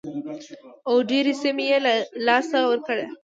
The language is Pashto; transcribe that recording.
او ډېرې سیمې یې له لاسه ورکړې.